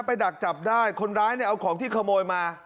ดักจับได้คนร้ายเนี่ยเอาของที่ขโมยมา